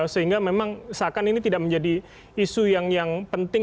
sehingga memang seakan ini tidak menjadi isu yang penting